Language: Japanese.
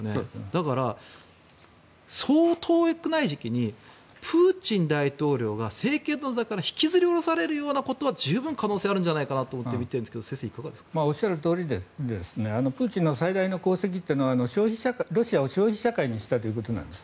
だから、そう遠くない時期にプーチン大統領が政権の座から引きずり下ろされるようなことは十分可能性があるんじゃないかなと思ってみているんですがおっしゃるとおりでプーチンの最大の功績というのはロシアを消費社会にしたということです。